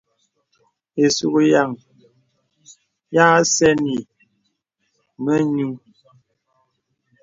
Isùkyan ya sɛ̂nì mə nyùù.